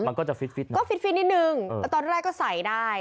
มันก็จะฟิตนิดนึงตอนแรกก็ใส่ได้